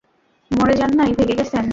মরে যান নাই, ভেগে গেছেন।